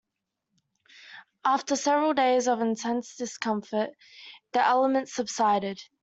After several days of intense discomfort, the ailment subsided.